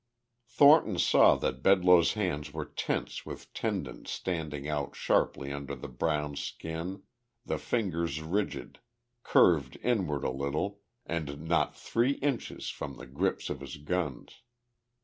Thornton saw that Bedloe's hands were tense with tendons standing out sharply under the brown skin, the fingers rigid, curved inward a little, and not three inches from the grips of his guns.